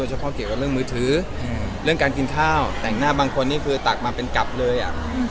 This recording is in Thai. เฉพาะเกี่ยวกับเรื่องมือถือเรื่องการกินข้าวแต่งหน้าบางคนนี่คือตักมาเป็นกลับเลยอ่ะ